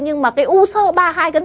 nhưng mà cái u sơ ba hai cân sáu